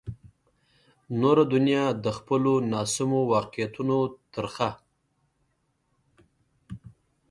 نوره دنیا د خپلو ناسمو واقعیتونو ترخه.